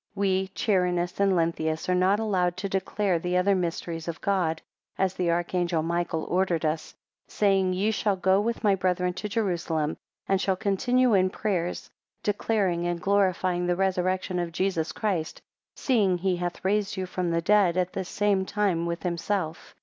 We, Charinus and Lenthius are not allowed to declare the other mysteries of God, as the archangel Michael ordered us, 2 Saying, ye shall go with my brethren to Jerusalem, and shall continue in prayers, declaring and glorifying the resurrection of Jesus Christ, seeing he hath raised you from the dead at the same time with himself.